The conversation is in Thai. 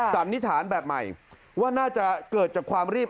สันนิษฐานแบบใหม่ว่าน่าจะเกิดจากความรีบ